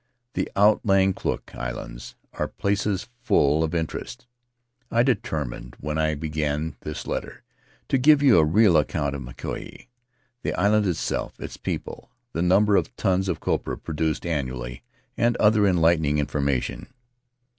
The outlying Cook Islands are places full of interest. I determined, when I began this letter, to give you a real account of Mauke — the island itself, its people, the number of tons of copra produced annually, and other enlightening information.